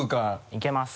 いけます。